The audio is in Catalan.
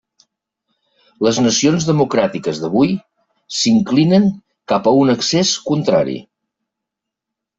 Les nacions democràtiques d'avui s'inclinen cap a un excés contrari.